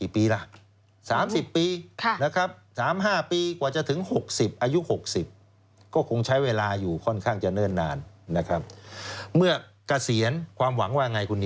เป็นนายแล้ว